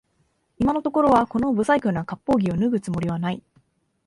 今のところはこの不細工な割烹着を脱ぐつもりはない